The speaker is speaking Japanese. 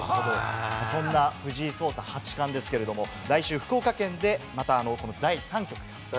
そんな藤井聡太八冠ですけれども来週、福岡県でまた第３局が。